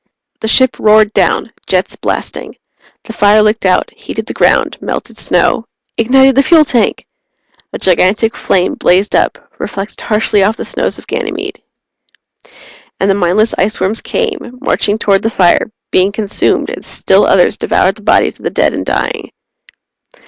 The ship roared down, jets blasting. The fire licked out, heated the ground, melted snow ignited the fuel tank! A gigantic flame blazed up, reflected harshly off the snows of Ganymede. And the mindless iceworms came, marching toward the fire, being consumed, as still others devoured the bodies of the dead and dying.